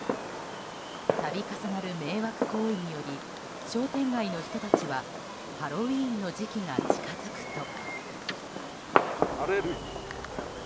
度重なる迷惑行為により商店街の人たちはハロウィーンの時期が近付くと。